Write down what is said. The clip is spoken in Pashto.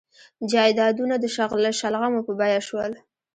جایدادونه د شلغمو په بیه شول.